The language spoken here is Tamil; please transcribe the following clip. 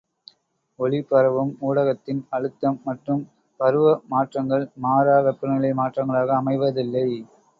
ஒலிபரவும் ஊடகத்தின் அழுத்தம் மற்றும் பரும மாற்றங்கள், மாறா வெப்பநிலை மாற்றங்களாக அமைவதில்லை.